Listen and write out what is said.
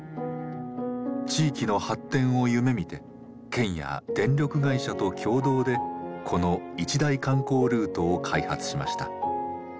地域の発展を夢みて県や電力会社と協同でこの一大観光ルートを開発しました。